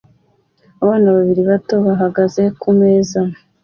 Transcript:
Abana babiri bato bahagaze kumeza